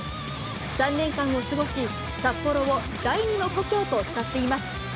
３年間を過ごし、札幌を第二の故郷と慕っています。